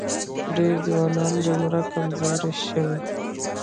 ډېری ځوانان دومره کمزوري شوي